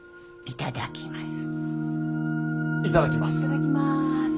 いただきます。